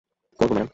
করব, ম্যাডাম।